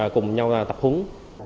cùng nhau tập húng